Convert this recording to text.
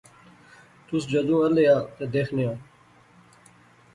تس جذوں الے آ تے دیخنے آں